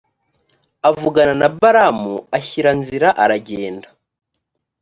avugana na balamu ashyira nzira aragenda